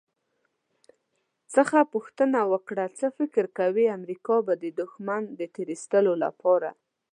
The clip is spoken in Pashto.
څخه پوښتنه وکړه «څه فکر کوئ، امریکا به د دښمن د تیرایستلو لپاره»